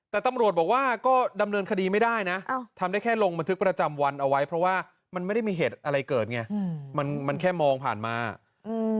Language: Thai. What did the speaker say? แต่ตำรวจบอกว่าก็ดำเนินคดีไม่ได้นะอ้าวทำได้แค่ลงบันทึกประจำวันเอาไว้เพราะว่ามันไม่ได้มีเหตุอะไรเกิดไงอืมมันมันแค่มองผ่านมาอืม